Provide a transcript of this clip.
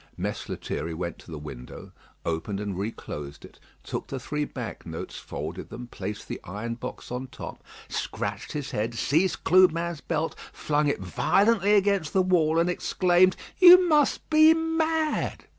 Mess Lethierry went to the window, opened and reclosed it, took the three bank notes, folded them, placed the iron box on top, scratched his head, seized Clubin's belt, flung it violently against the wall, and exclaimed: "You must be mad."